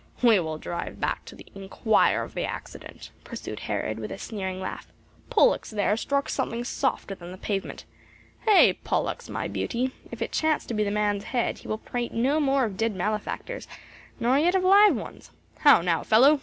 "We will drive back to inquire of the accident," pursued Herod with a sneering laugh. "Pollux there struck something softer than the pavement. Hey! Pollux, my beauty? If it chanced to be the man's head he will prate no more of dead malefactors nor yet of live ones. How now, fellow!"